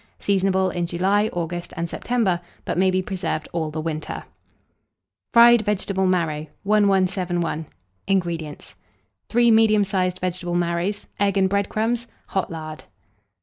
Seasonable in July, August, and September; but may be preserved all the winter. FRIED VEGETABLE MARROW. 1171. INGREDIENTS. 3 medium sized vegetable marrows, egg and bread crumbs, hot lard.